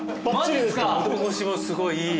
喉ごしもすごいいい。